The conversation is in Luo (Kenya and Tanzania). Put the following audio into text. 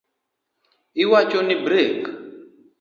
Iwacho ni brek?